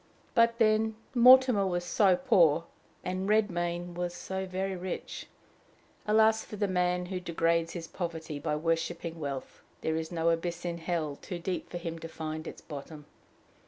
But, then, Mortimer was so poor, and Redmain was so very rich! Alas for the man who degrades his poverty by worshiping wealth! there is no abyss in hell too deep for him to find its bottom.